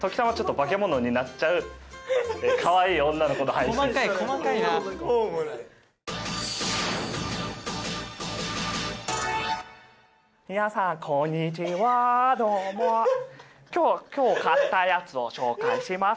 ・細かい細かいな・皆さんこんにちはどうも。今日今日買ったやつを紹介します。